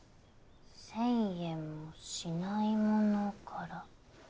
１，０００円もしないものから。